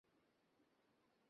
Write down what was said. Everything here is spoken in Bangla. আমি গুলি চালাইনি!